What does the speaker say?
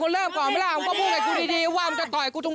ก็มึงเป็นคนเริ่มก่อนไหมล่ะมึงก็พูดกับกูดีว่ามึงจะต่อยกูจง